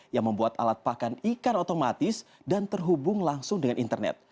yang membuat alat pakan ikan otomatis dan terhubung langsung dengan internet